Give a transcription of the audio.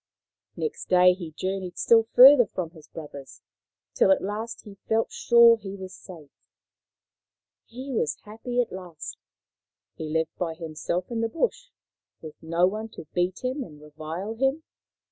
Next day he journeyed still further from his brothers, till at last he felt sure he was safe. He was happy at last. He lived by himself in the bush, with no one to beat him and revile him.